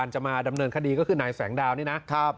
จะมาดำเนินคดีก็คือนายแสงดาวนี่นะ